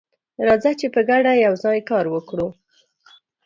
راځه چې په ګډه یوځای کار وکړو.